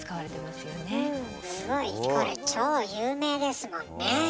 すごいこれ超有名ですもんね。